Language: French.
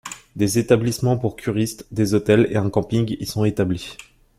Des établissements pour curistes, des hôtels et un camping y sont établis.